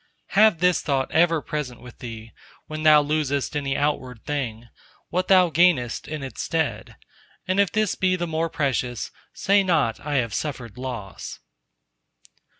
XXVII Have this thought ever present with thee, when thou losest any outward thing, what thou gainest in its stead; and if this be the more precious, say not, I have suffered loss.